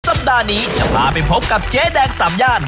สัปดาห์นี้จะพาไปพบกับเจ๊แดงสามย่าน